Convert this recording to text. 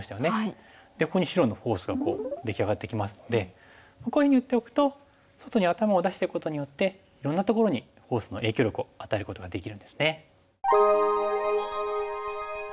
ここに白のフォースがこう出来上がってきますのでこういうふうに打っておくと外に頭を出していくことによっていろんなところにフォースの影響力を与えることができるんですね。